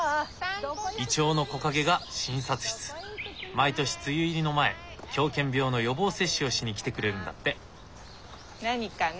毎年梅雨入りの前狂犬病の予防接種をしに来てくれるんだって。何かな？